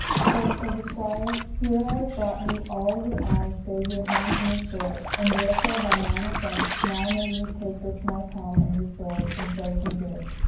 Sir, said the squire, here I have brought you all your arms save your helm and your sword, and therefore by mine assent now may ye take this knight's helm and his sword: and so he did.